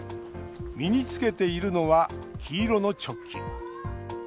身に着けているのは黄色のチョッキ。